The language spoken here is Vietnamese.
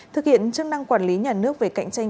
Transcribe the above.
thực hiện chức năng quản lý nhà nước về cạnh tranh